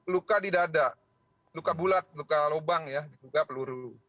luka di dada luka bulat luka lubang ya luka peluru